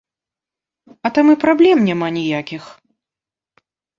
А там і праблем няма ніякіх.